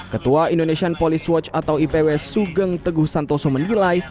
ketua indonesian police watch atau ipw sugeng teguh santoso menilai